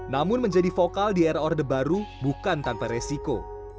namun menjadi vokal di era orde baru bukan tanpa resiko